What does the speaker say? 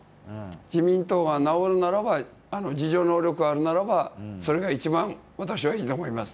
自民党が直るならば自浄能力があるならばそれが一番私はいいと思います。